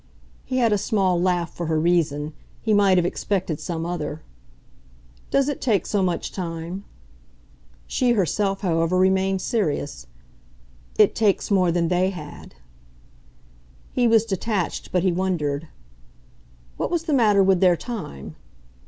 He had a small laugh for her reason; he might have expected some other. "Does it take so much time?" She herself, however, remained serious. "It takes more than they had." He was detached, but he wondered. "What was the matter with their time?"